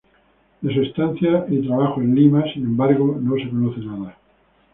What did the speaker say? De su estancia y trabajo en Lima, sin embargo, nada se conoce.